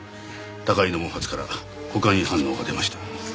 高井の毛髪からコカイン反応が出ました。